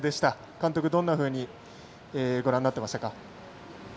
監督、どんなふうにご覧になっていましたか？